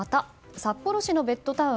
札幌市のベッドタウン